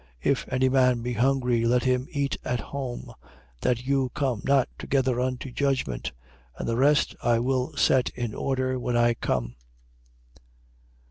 11:34. If any man be hungry, let him eat at home; that you come not together unto judgment. And the rest I will set in order, when I come.